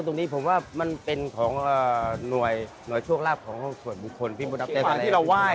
คนจีนสำหรับจะมาซิงคาโปรเมาเลเซีย